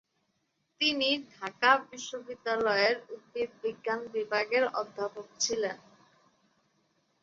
তিনি ঢাকা বিশ্ববিদ্যালয়ের উদ্ভিদবিজ্ঞান বিভাগের অধ্যাপক ছিলেন।